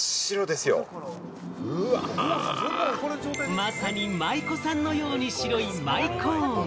まさに舞妓さんのように白い、舞コーン。